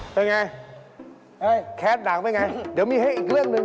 เป็นไงแคสต์หนังเป็นไงเดี๋ยวมีให้อีกเรื่องหนึ่ง